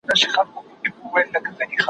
زه به سبا د ليکلو تمرين کوم!.